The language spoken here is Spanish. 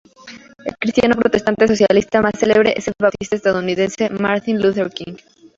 El cristiano-protestante socialista más celebre es el baptista estadounidense Martin Luther King.